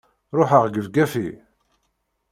Ruḥeɣ gefgafi!